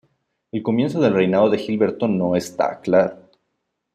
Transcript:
El comienzo del reinado de Gilberto no está claro.